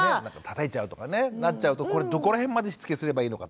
たたいちゃうとかねなっちゃうとこれどこら辺までしつけすればいいのかとかね。